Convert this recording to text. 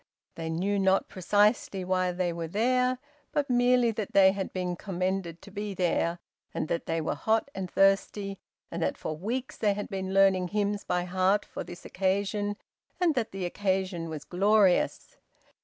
They knew not precisely why they were there; but merely that they had been commanded to be there, and that they were hot and thirsty, and that for weeks they had been learning hymns by heart for this occasion, and that the occasion was glorious.